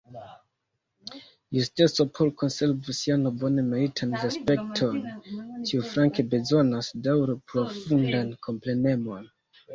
Justeco, por konservi sian bone meritan respekton, ĉiuflanke bezonas daŭre profundan komprenemon.